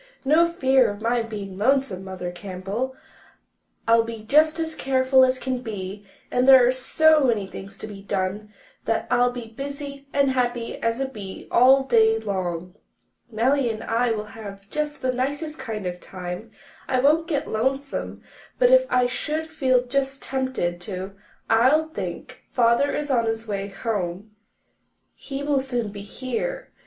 "No fear of my being lonesome, Mother Campbell. I'll be just as careful as can be and there are so many things to be done that I'll be as busy and happy as a bee all day long. Nellie and I will have just the nicest kind of a time. I won't get lonesome, but if I should feel just tempted to, I'll think, Father is on his way home. He will soon be here.'